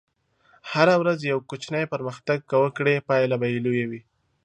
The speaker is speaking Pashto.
هره ورځ یو کوچنی پرمختګ که وکړې، پایله به لویه وي.